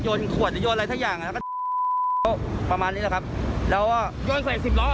โยนขวดที่โยนอะไรถ้าอย่างประมาณนี้แล้วครับแล้วโยนใส่๑๐รถ